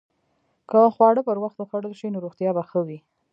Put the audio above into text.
که خواړه پر وخت وخوړل شي، نو روغتیا به ښه وي.